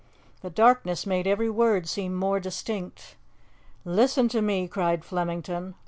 The darkness made every word seem more distinct. "Listen to me!" cried Flemington.